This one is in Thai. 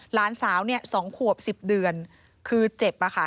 หลานสาวเนี่ย๒ขวบ๑๐เดือนคือเจ็บอะค่ะ